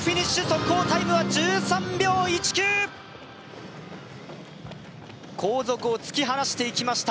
速報タイムは１３秒１９後続を突き放していきました